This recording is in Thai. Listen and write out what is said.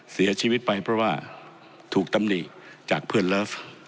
เสียชีวิตไปเพราะว่าถูกตำหนิจากเพื่อนเลิฟ